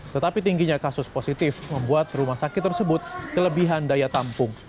tetapi tingginya kasus positif membuat rumah sakit tersebut kelebihan daya tampung